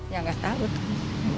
ya nggak tahu